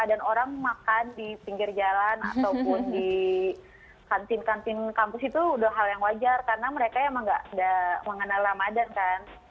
dan orang makan di pinggir jalan ataupun di kantin kantin kampus itu udah hal yang wajar karena mereka emang nggak mengenal ramadan kan